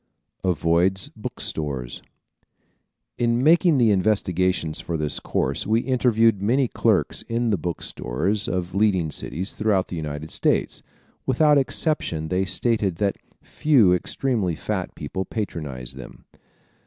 Avoids Book Stores ¶ In making the investigations for this course, we interviewed many clerks in the bookstores of leading cities throughout the United States. Without exception they stated that few extremely fat people patronized them.